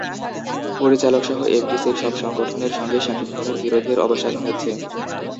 পরিচালকসহ এফডিসির সব সংগঠনের সঙ্গে শাকিব খানের বিরোধের অবসান হয়েছে।